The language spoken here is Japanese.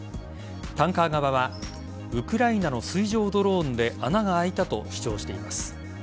タンカー側はウクライナの水上ドローンで穴が開いたと主張しています。